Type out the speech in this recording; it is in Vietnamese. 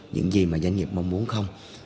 những gì mà doanh nghiệp mong muốn không